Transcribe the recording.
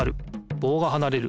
ぼうがはなれる。